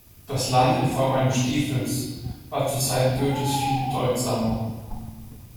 Das Land in Form eines Stiefels war zu Zeiten Goethes viel bedeutsamer.